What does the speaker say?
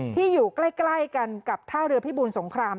ที่อยู่ใกล้กันกับท่าเรือพิบูลสงคราม